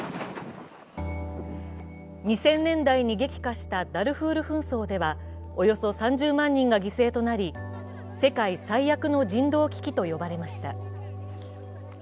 ２０００年代に激化したダルフール紛争では、およそ３０万人が犠牲となり世界最悪の人道危機と呼ばれました。